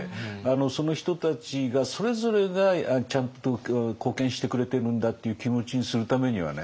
その人たちがそれぞれがちゃんと貢献してくれてるんだっていう気持ちにするためにはね